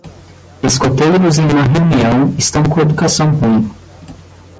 Escoteiros em uma reunião estão com educação ruim.